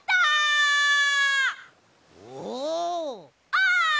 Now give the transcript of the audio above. ああ！